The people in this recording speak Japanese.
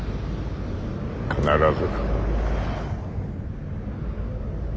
必ず。